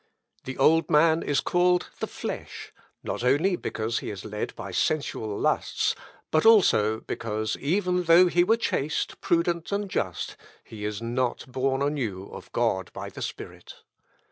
"The old man is called the flesh, not only because he is led by sensual lusts, but also because, even though he were chaste, prudent, and just, he is not born anew of God by the Spirit.